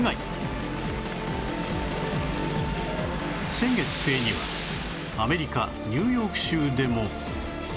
先月末にはアメリカニューヨーク州でも